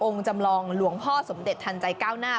จำลองหลวงพ่อสมเด็จทันใจก้าวหน้า